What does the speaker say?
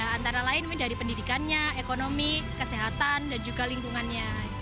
antara lain dari pendidikannya ekonomi kesehatan dan juga lingkungannya